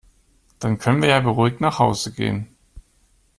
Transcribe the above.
Dann können wir ja beruhigt nach Hause gehen.